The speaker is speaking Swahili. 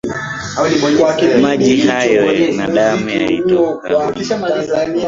Maji hayo na damu, yaliyotoka humo.